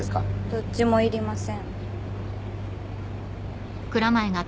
どっちもいりません。